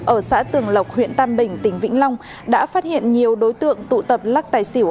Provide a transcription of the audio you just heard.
ở xã tường lộc huyện tam bình tỉnh vĩnh long đã phát hiện nhiều đối tượng tụ tập lắc tài xỉu